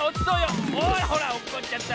ほらほらおっこっちゃった。